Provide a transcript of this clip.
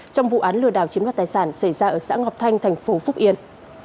trong vụ án lừa đảo chiếm đoạt tài sản xảy ra ở xã ngọc thanh thành phố phúc yên